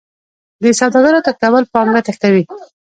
د سوداګرو تښتول پانګه تښتوي.